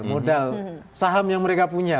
modal saham yang mereka punya